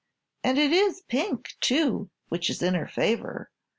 And it is pink, too, which is in her favor.